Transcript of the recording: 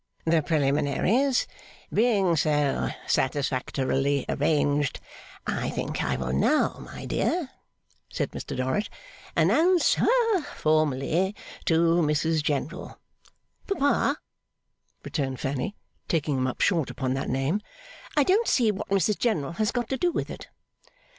'The preliminaries being so satisfactorily arranged, I think I will now, my dear,' said Mr Dorrit, 'announce ha formally, to Mrs General ' 'Papa,' returned Fanny, taking him up short upon that name, 'I don't see what Mrs General has got to do with it.